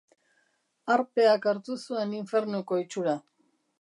Harpeak hartu zuen infernuko itxura.